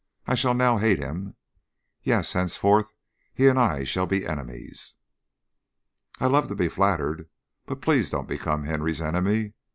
I shall now hate him. Yes, henceforth he and I shall be enemies." "I love to be flattered, but please don't become Henry's enemy.